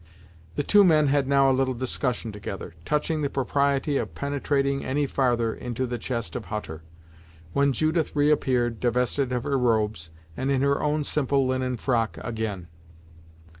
The two men had now a little discussion together, touching the propriety of penetrating any farther into the chest of Hutter, when Judith re appeared, divested of her robes, and in her own simple linen frock again.